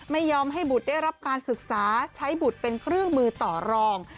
ไม่ยอมให้บุตรได้รับการศึกษาใช้บุตรเป็นเครื่องมือต่อรอง